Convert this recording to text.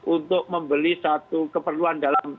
untuk membeli satu keperluan dalam